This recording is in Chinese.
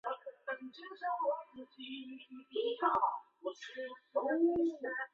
罗溪镇是下辖的一个乡镇级行政单位。